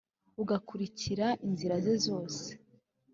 ugakurikira inzira ze zose,